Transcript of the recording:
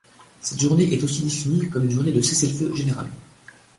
Cette journée est aussi définie comme une journée de cessez-le-feu général.